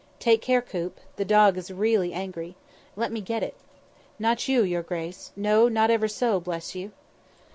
"Take care, Coop. The dog is really angry. Let me get it." "Not you, your grace. No, not ever so, bless you."